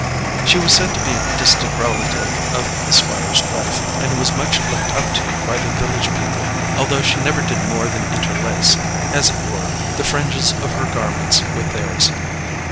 She was said to be a distant relative of the Squire's wife, and was much looked up to by the village people, although she never did more than interlace, as it were, the fringes of her garments with theirs.